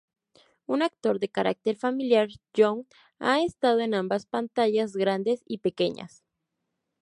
Un actor de carácter familiar, Young ha estado en ambas pantallas grandes y pequeñas.